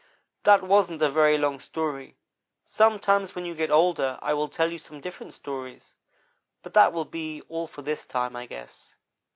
"That wasn't a very long story; sometime when you get older I will tell you some different stories, but that will be all for this time, I guess.